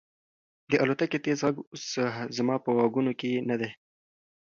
د الوتکې تېز غږ اوس زما په غوږونو کې نه دی.